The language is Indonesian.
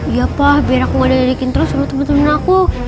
iya pak biar aku gak dapetin terus sama temen temen aku